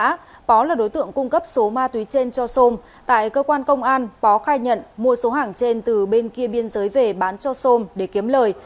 lậu bả nò pó là đối tượng cung cấp số ma túy trên cho sông tại cơ quan công an pó khai nhận mua số hàng trên từ bên kia biên giới về bán cho sông để kiếm lời